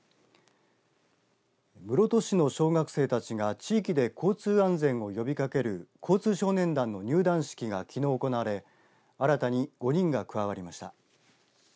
室戸市の小学生たちが地域で交通安全を呼びかける交通少年団の入団式がきのう行われ新たに５人が加わりました。